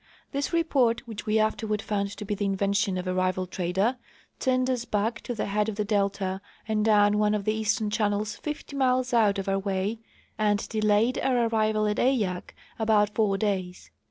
This report, which we afterward found to be the invention of a rival trader, turned us back to the head of the delta and down one of the eastern channels fifty miles out of our Avay and de layed our arrival at Eyak about four days.